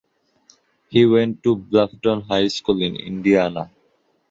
He went to Bluffton High School in Indiana.